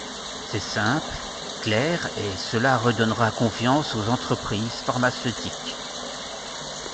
C’est simple, clair et cela redonnera confiance aux entreprises pharmaceutiques.